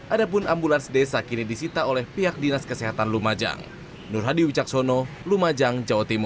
adapun ambulans desa kini disita oleh pihak dinas kesehatan lumajang